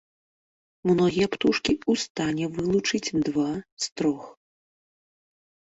Многія птушкі у стане вылучыць два з трох.